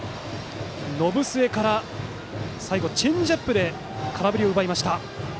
延末から最後、チェンジアップで空振りを奪いました。